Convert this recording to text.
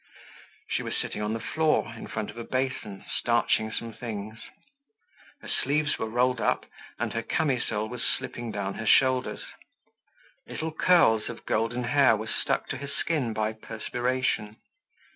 She was sitting on the floor, in front of a basin, starching some things. Her sleeves were rolled up and her camisole was slipping down her shoulders. Little curls of golden hair were stuck to her skin by perspiration.